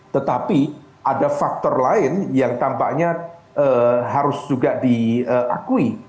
tetapi ada faktor lain yang tampaknya harus juga diakui